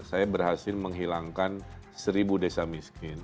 saya berhasil menghilangkan seribu desa miskin